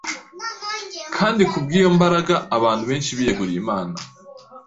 kandi kubw’iyo mbaraga abantu benshi biyeguriye Imana.